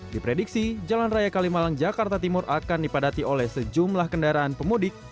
diprediksi jalan raya kalimalang jakarta timur akan dipadati oleh sejumlah kendaraan pemudik